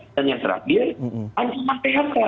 dan yang terakhir anti matriarka